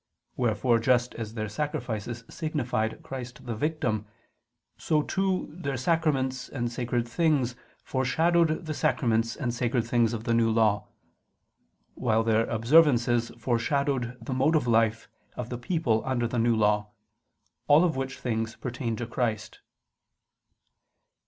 Wherefore just as their sacrifices signified Christ the victim, so too their sacraments and sacred things foreshadowed the sacraments and sacred things of the New Law; while their observances foreshadowed the mode of life of the people under the New Law: all of which things pertain to Christ.